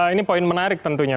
ini poin menarik tentunya